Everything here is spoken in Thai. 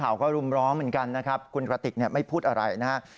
ข่าวก็รุมร้อเหมือนกันนะครับคุณกระติกไม่พูดอะไรนะครับ